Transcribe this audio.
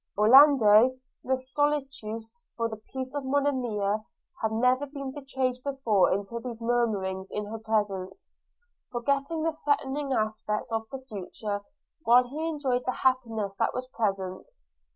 Orlando, most solicitous for the peace of Monimia, had never been betrayed before into these murmurings in her presence; forgetting the threatening aspect of the future, while he enjoyed the happiness that was present.